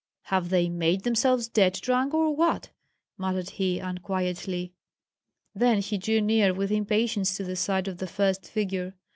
"Have they made themselves dead drunk or what?" muttered he, unquietly. Then he drew near with impatience to the side of the first figure.